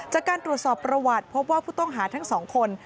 จากการตรวจสอบประวัติพบว่าผู้ต้องหาทั้งสองคน